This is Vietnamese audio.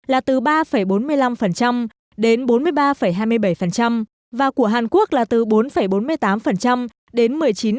là từ ba bốn mươi năm đến bốn mươi ba hai mươi bảy và của hàn quốc là từ bốn bốn mươi tám đến một mươi chín